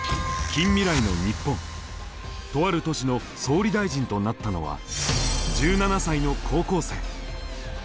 とある都市の総理大臣となったのは１７才の高校生。